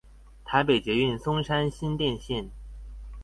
台北捷運松山新店線